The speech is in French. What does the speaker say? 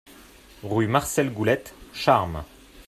Rue Marcel Goulette, Charmes